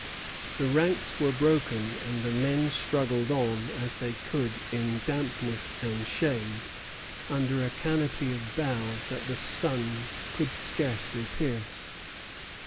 The ranks were broken, and the men struggled on as they could in dampness and shade, under a canopy of boughs that the sun could scarcely pierce.